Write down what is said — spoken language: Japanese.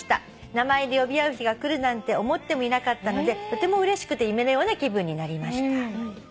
「名前で呼び合う日が来るなんて思ってもいなかったのでとてもうれしくて夢のような気分になりました」